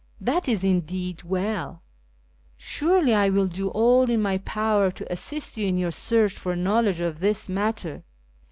" That is indeed well ! Surely I will do all in my power to assist you in your search for know ledge of this matter.